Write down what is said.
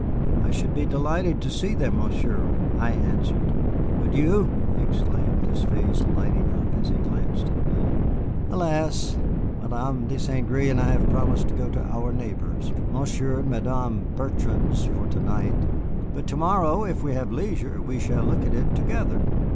"I should be delighted to see them, Monsieur," I answered. "Would you?" he exclaimed, his face lighting up as he glanced at me. "Alas, Madame de St. Gré and I have promised to go to our neighbors', Monsieur and Madame Bertrand's, for to night. But, to morrow, if you have leisure, we shall look at it together.